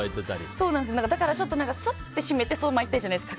だからすって閉めてそのまま行きたいじゃないですか